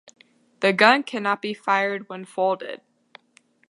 The gun cannot be fired when folded.